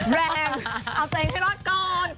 แรงเอาตัวเองให้รอดก่อน